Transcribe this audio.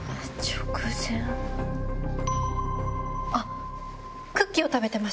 あっ！